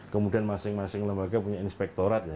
kemudian masing masing lembaga punya inspektoratnya